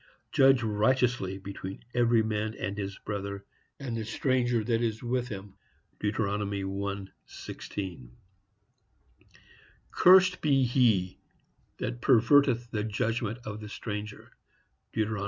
Judge righteously between every man and his brother, and the stranger that is with him.—Deut. 1:16. Cursed be he that perverteth the judgment of the stranger.—Deut.